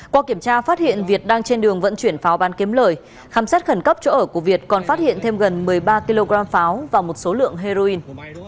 qua kiểm tra phát hiện việt đang trên đường vận chuyển pháo bán kiếm lời khám xét khẩn cấp chỗ ở của việt còn phát hiện thêm gần một mươi ba kg pháo và một số lượng heroin